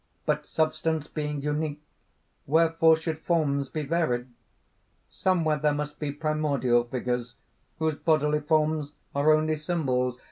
"But Substance being unique, wherefore should forms be varied? "Somewhere there must be primordial figures, whose bodily forms are only symbols.